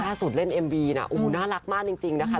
น่าสุดเล่นเอ็มบีน่ะอู๋น่ารักมากจริงนะคะ